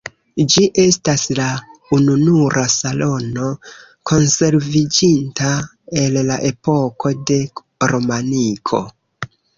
Ĝi estas la ununura salono konserviĝinta el la epoko de romaniko.